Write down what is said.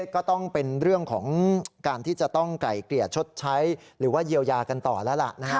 ก็ต้องเก่าไปกว่าที่จะต้องใกล่เกลียดชดใช้หรือยาวยากันต่อล่ะ